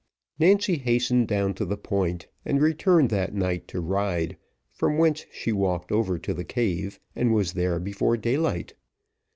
Nancy hastened down to the Point, and returned that night to Ryde, from whence she walked over to the cave, and was there before daylight.